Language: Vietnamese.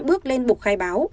bước lên bục khai báo